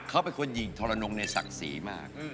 เขาเป็นคนหญิงทรนงในศักดิ์ศรีมาก